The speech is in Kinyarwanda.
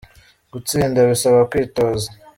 Gutsinda bisaba kwitoza.